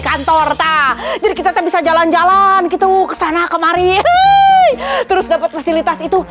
kantor jadi kita bisa jalan jalan gitu kesana kemarin terus dapat fasilitas itu